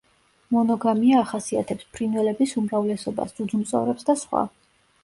მონოგამია ახასიათებს ფრინველების უმრავლესობას, ძუძუმწოვრებს და სხვა.